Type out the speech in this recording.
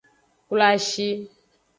Kloashi.